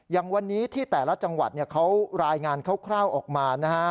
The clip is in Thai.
อย่างวันนี้ที่แต่ละจังหวัดเขารายงานคร่าวออกมานะฮะ